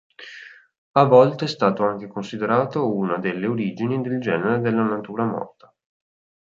A volte è stato anche considerato una delle origini del genere della natura morta.